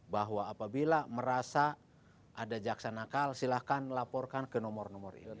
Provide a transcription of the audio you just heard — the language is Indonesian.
bahwa apabila merasa ada jaksa nakal silahkan laporkan ke nomor nomor ini